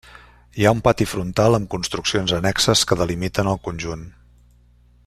Hi ha un pati frontal amb construccions annexes que delimiten el conjunt.